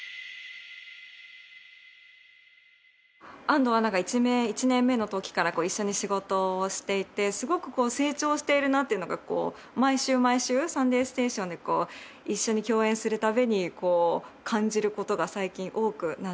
安藤アナが１年目の時から一緒に仕事をしていてすごく成長しているなっていうのが毎週毎週『サンデーステーション』で一緒に共演する度に感じる事が最近多くなってます。